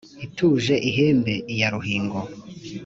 itukuje ihembe iya ruhingo